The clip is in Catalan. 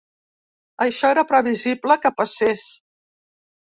Això era previsible que passés.